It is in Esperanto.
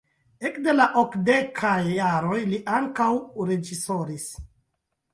Ekde la okdekaj jaroj li ankaŭ reĝisoris.